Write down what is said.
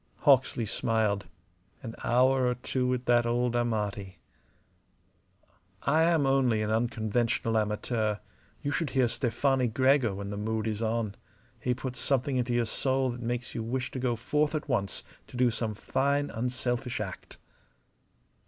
Hawksley smiled. An hour or two with that old Amati. "I am only an unconventional amateur. You should hear Stefani Gregor when the mood is on. He puts something into your soul that makes you wish to go forth at once to do some fine, unselfish act."